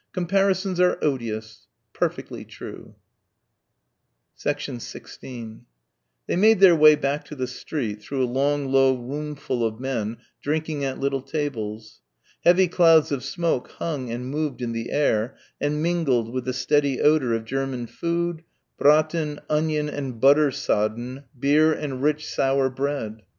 "Comparisons are odious." Perfectly true. 16 They made their way back to the street through a long low roomful of men drinking at little tables. Heavy clouds of smoke hung and moved in the air and mingled with the steady odour of German food, braten, onion and butter sodden, beer and rich sour bread.